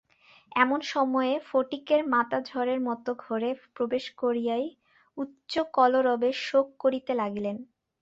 এমন সময়ে ফটিকের মাতা ঝড়ের মতো ঘরে প্রবেশ করিয়াই উচ্চকলরবে শোক করিতে লাগিলেন।